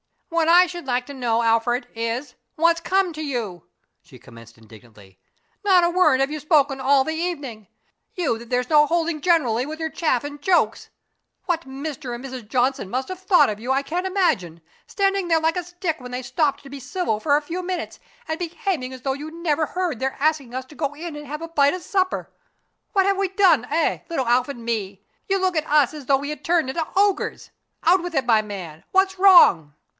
"What I should like to know, Alfred, is what's come to you?" she commenced indignantly. "Not a word have you spoken all the evening you that there's no holding generally with your chaff and jokes. What Mr. and Mrs. Johnson must have thought of you, I can't imagine, standing there like a stick when they stopped to be civil for a few minutes, and behaving as though you never even heard their asking us to go in and have a bite of supper. What have we done, eh, little Alf and me? You look at us as though we had turned into ogres. Out with it, my man. What's wrong?"